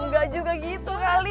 ga juga gitu kali